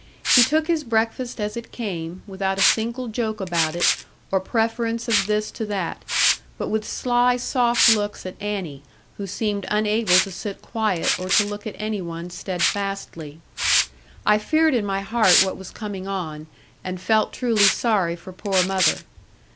He took his breakfast as it came, without a single joke about it, or preference of this to that; but with sly soft looks at Annie, who seemed unable to sit quiet, or to look at any one steadfastly. I feared in my heart what was coming on, and felt truly sorry for poor mother.